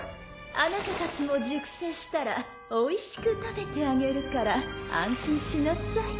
あなたたちも熟成したらおいしく食べてあげるから安心しなさい。